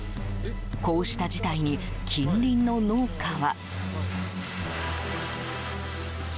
こうした事態に近隣の農家は。